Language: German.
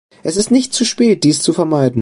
Es ist nicht zu spät, dies zu vermeiden.